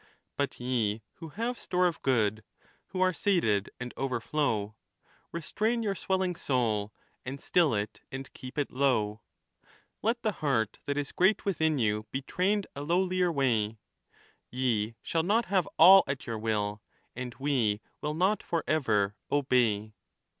But ye who have store of good, who are sated and overflow, Restrain your swelling soul, and still it and keep it low : Let the heart that is great within you be trained a lowlier way ; Ye shall not have all at your will, and we will not for ever obey.